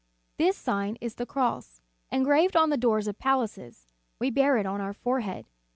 This Sign is the Cross. Engraved on the doors of palaces, we bear it on our forehead.